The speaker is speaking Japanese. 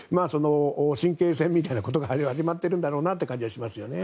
神経戦みたいなことが始まっているんだろうなという気がします。